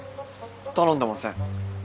頼んでません。